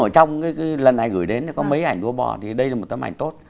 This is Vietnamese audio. ở trong cái lần này gửi đến có mấy ảnh đua bò thì đây là một tấm ảnh tốt